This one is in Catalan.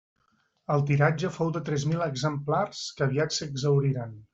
El tiratge fou de tres mil exemplars, que aviat s'exhauriren.